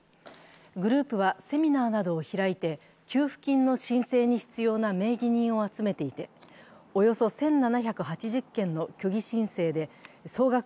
グループはセミナーなどを開いて給付金の申請に必要な名義人を集めていて、およそ１７８０件の虚偽申請で総額